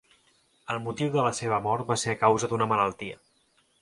El motiu de la seva mort va ser a causa d'una malaltia.